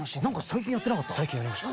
最近やりました。